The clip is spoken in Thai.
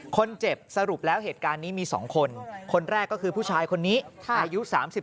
สรุปแล้วเหตุการณ์นี้มี๒คนคนแรกก็คือผู้ชายคนนี้อายุ๓๓